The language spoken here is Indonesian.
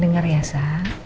denger ya sa